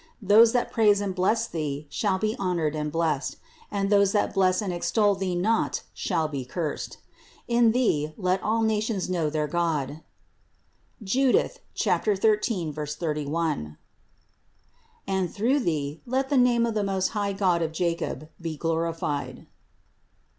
Those that praise and bless Thee shall be honored and blessed; and those that bless and extol Thee not shall be cursed. In Thee let all nations know 246 CITY OF GOD their God (Judith 13, 31), and through Thee let the name of the most high God of Jacob be glorified."